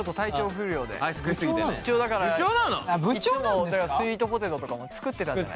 だからスイートポテトとかも作ってたじゃない。